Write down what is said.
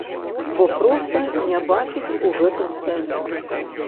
Бо проста не бачыць у гэтым сэнсу.